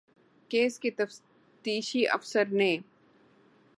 case کے تفتیشی افسر نے